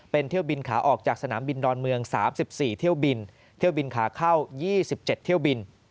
เป็นเที่ยวบินขาออกจากสนามบินดอนเมือง๓๔เที่ยวบินเที่ยวบินขาเข้า๒๗เที่ยวบิน